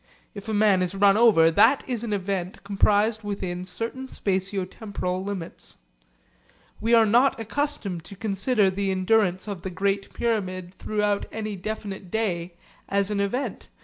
If a man is run over, that is an event comprised within certain spatio temporal limits. We are not accustomed to consider the endurance of the Great Pyramid throughout any definite day as an event.